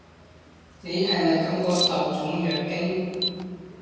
你係咪感覺受寵若驚？